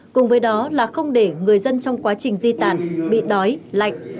cùng với đó là không để người dân trong quá trình di tản bị đói lạnh